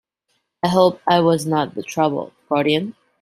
I hope I was not the trouble, guardian?